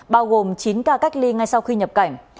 bao gồm chín ca cách ly ngay sau khi nhập cảnh